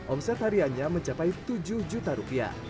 omset hariannya mencapai tujuh juta rupiah